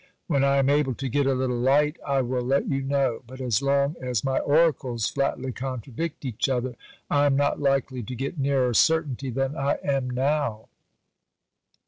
When I am able to get a little light I will let you know; but as long as my oracles flatly contradict each other, I am not likely to get nearer certainty than I am now."